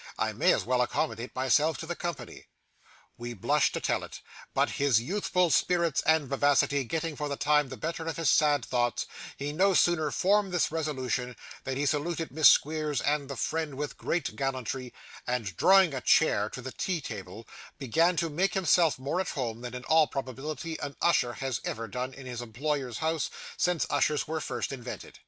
I may as well accommodate myself to the company.' We blush to tell it; but his youthful spirits and vivacity getting, for the time, the better of his sad thoughts, he no sooner formed this resolution than he saluted Miss Squeers and the friend with great gallantry, and drawing a chair to the tea table, began to make himself more at home than in all probability an usher has ever done in his employer's house since ushers were first invented.